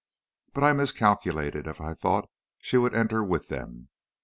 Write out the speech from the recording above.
"But I miscalculated if I thought she would enter with them.